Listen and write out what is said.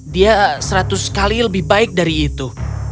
dia seratus kali lebih baik dari itu